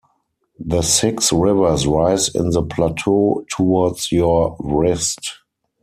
The six rivers rise in the plateau towards your wrist.